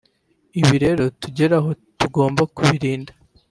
ibi rero tugeraho tugomba kubirinda